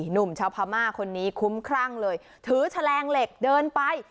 หนุ่มชาวพม่าคนนี้คุ้มครั่งเลยถือแฉลงเหล็กเดินไป